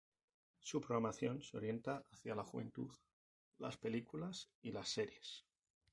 Su programación se orienta hacia la juventud, las películas y las series.